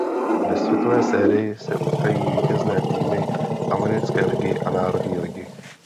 Ve Světové sérii se utkávají vítězné týmy Americké ligy a Národní ligy.